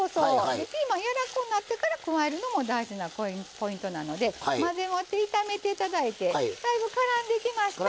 でピーマン柔らこうなってから加えるのも大事なポイントなので混ぜ終わって炒めて頂いてだいぶからんできましたら。